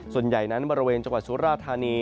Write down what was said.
ส่วนใหญ่นั้นบริเวณจังหวัดสุราธานี